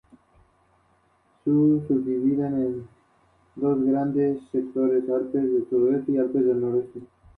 Sus actividades favoritas incluyen guitarra, piano, juegos de video y paintball.